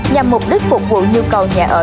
nhằm mục đích phục vụ nhu cầu nhà ở